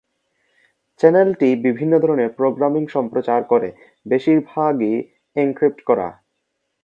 চ্যানেলটি বিভিন্ন ধরণের প্রোগ্রামিং সম্প্রচার করে, বেশিরভাগই এনক্রিপ্ট করা।